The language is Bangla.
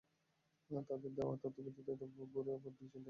তাদের দেওয়া তথ্যের ভিত্তিতে ভোরে অপর দুই ছিনতাইকারীকে আটক করা হয়।